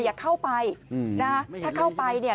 อย่าเข้าไปนะถ้าเข้าไปเนี่ย